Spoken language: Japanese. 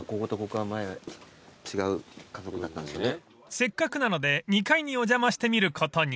［せっかくなので２階にお邪魔してみることに］